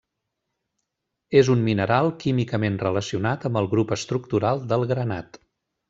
És un mineral químicament relacionat amb el grup estructural del granat.